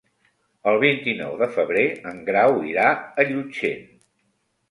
El vint-i-nou de febrer en Grau irà a Llutxent.